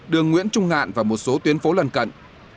đường nguyễn trung ngạn và một số tuyến phố lân cận